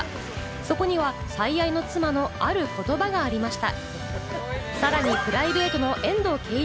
そこには最愛の妻のある言葉がありました。